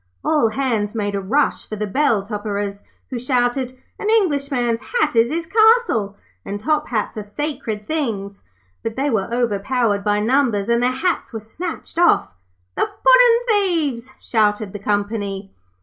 All hands made a rush for the bell topperers, who shouted, 'An Englishman's hat is his castle,' and Top hats are sacred things'; but they were overpowered by numbers, and their hats were snatched off. 'THE PUDDIN' THIEVES!' shouted the company.